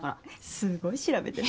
すごい調べてる。